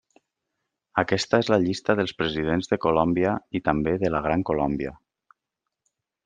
Aquesta és la llista dels presidents de Colòmbia i també de la Gran Colòmbia.